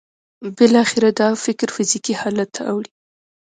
بالاخره دا فکر فزیکي حالت ته اوړي